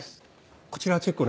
こちらチェック